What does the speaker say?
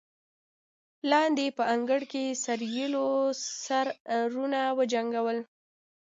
لاندې په انګړ کې سېرليو سرونه جنګول.